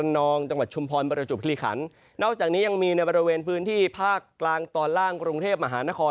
นอกจากนี้ยังมีในบริเวณพื้นที่ภาคกลางตอนล่างกรุงเทพฯมหานคร